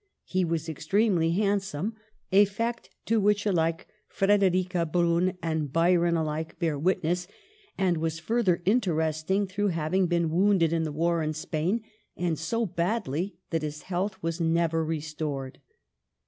He was extremely handsome — a fact to which Frederica Brun and Byron alike bear witness, and was further interesting through hav ing been wounded in the war in Spain, and so badly that his health was never restored.